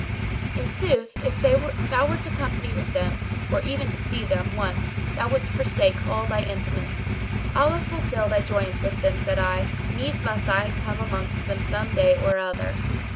In sooth if thou were to company with them or even to see them once, thou wouldst forsake all thy intimates." "Allah fulfil thy joyance with them," said I, "needs must I come amongst them some day or other."